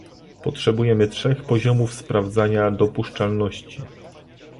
Potrzebujemy trzech poziomów sprawdzania dopuszczalności